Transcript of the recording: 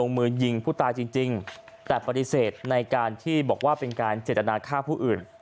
มือยิงผู้ตายจริงแต่ปฏิเสธในการที่บอกว่าเป็นการเจตนาฆ่าผู้อื่น